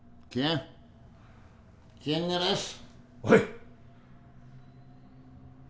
おい！